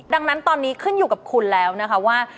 ดังนั้นตอนนี้ขึ้นอยู่กับคุณแล้วนะคะว่า